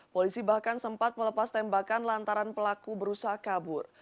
polisi bahkan sempat melepas tembakan lantaran pelaku berusaha kabur